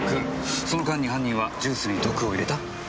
その間に犯人はジュースに毒を入れた？